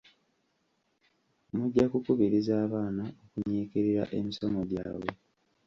Mujja kukubiriza abaana okunyiikirira emisomo gyabwe.